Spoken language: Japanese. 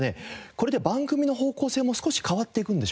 これで番組の方向性も少し変わっていくんでしょうか？